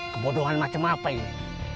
kebodohan macam apa ini